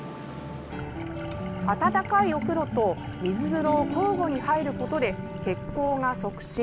温かいお風呂と水風呂を交互に入ることで血行が促進。